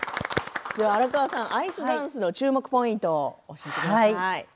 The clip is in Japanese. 荒川さん、アイスダンスの注目ポイントを教えてください。